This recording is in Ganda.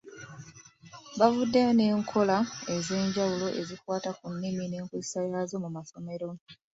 Bavuddeyo n’enkola ez’enjawulo ezikwata ku nnimi n’enkozesa yaazo mu masomero.